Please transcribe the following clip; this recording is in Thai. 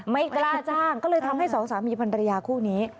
ไม่กล้าจ้างก็เลยทำให้สองสามีพันรยาคู่นี้